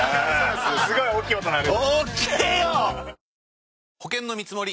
すごい大きい音鳴る。